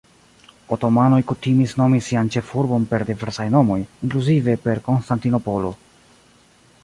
Otomanoj kutimis nomi sian ĉefurbon per diversaj nomoj, inkluzive per Konstantinopolo.